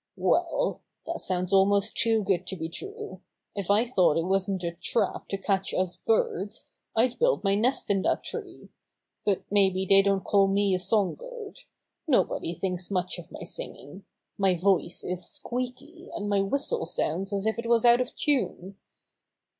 "Well, that sounds almost too good to be true. If I thought it wasn't a trap to catch us birds, I'd build my nest in that tree. But maybe they don't call me a song bird. No body thinks much of my singing. My voice is squeaky, and my whistle sounds as if it was out of tune.